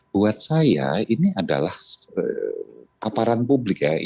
buat saya ini adalah aparan publik ya